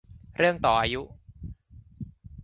เรื่องต่ออายุ